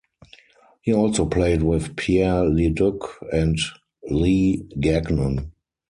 He also played with Pierre Leduc and Lee Gagnon.